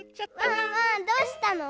ワンワンどうしたの？